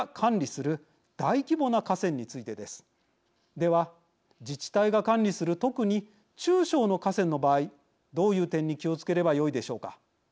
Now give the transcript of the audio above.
では自治体が管理する特に中小の河川の場合どういう点に気をつければよいでしょうか。